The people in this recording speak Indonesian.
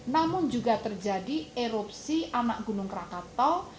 namun juga terjadi erupsi anak gunung krakatau